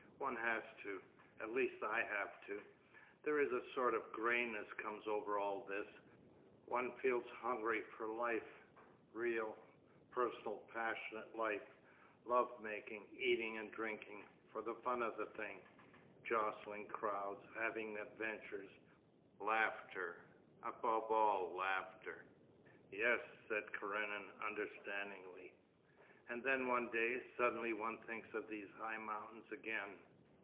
One has to. At least I have to. There is a sort of grayness comes over all this, one feels hungry for life, real, personal passionate life, love making, eating and drinking for the fun of the thing, jostling crowds, having adventures, laughter—above all laughter——' 'Yes,' said Karenin understandingly. 'And then one day, suddenly one thinks of these high mountains again....